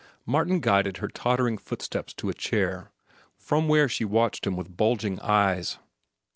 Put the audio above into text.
Martin guided her tottering footsteps to a chair, from where she watched him with bulging eyes.